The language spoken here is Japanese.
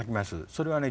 それはね